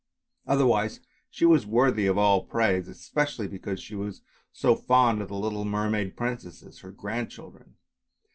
Other wise she was worthy of all praise, especially because she was so fond of the little mermaid princesses, her grandchildren.